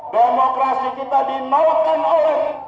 demokrasi kita dinobatkan oleh